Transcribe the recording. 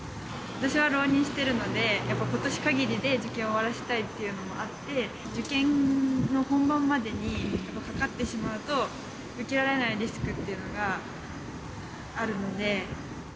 私は浪人してるので、やっぱりことしかぎりで受験を終わらせたいっていうのもあって、受験の本番までにかかってしまうと、受けられないリスクっていうのがあるので。